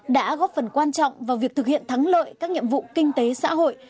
đã góp phần quan trọng vào việc thực hiện thắng lợi các nhiệm vụ kinh tế xã hội